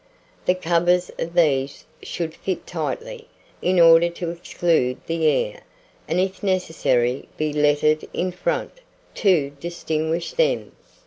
The covers of these should fit tightly, in order to exclude the air, and if necessary, be lettered in front, to distinguish them.